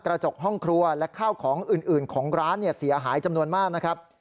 กระจกห้องครัวและข้าวของอื่นของร้านเสียหายจำนวนมากนะครับ